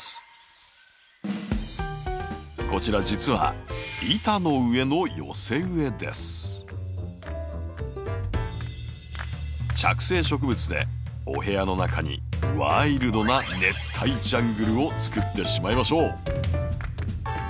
こちら実は着生植物でお部屋の中にワイルドな熱帯ジャングルをつくってしまいましょう！